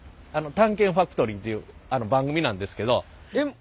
「探検ファクトリー」っていう番組なんですけど。